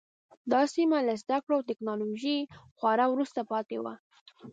دا سیمه له زده کړو او ټکنالوژۍ خورا وروسته پاتې وه.